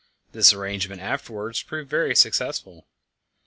The arrangement afterwards proved very successful.